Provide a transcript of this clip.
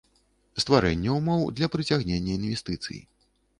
Стварэнне ўмоў для прыцягнення iнвестыцый.